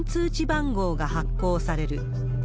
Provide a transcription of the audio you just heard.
番号が発行される。